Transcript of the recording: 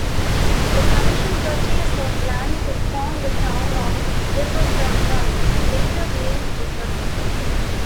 The commission purchased of land to form the town of Jeffersonton, later named Jefferson.